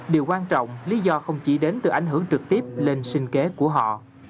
điều quan trọng lý do không chỉ đến từ ảnh hưởng trực tiếp lên sinh kế của họ